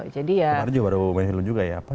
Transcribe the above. kemarin juga baru main film juga ya apa